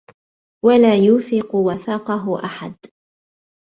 وَلا يوثِقُ وَثاقَهُ أَحَدٌ